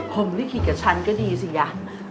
ผมลิขิตกับฉันก็ดีสิยะ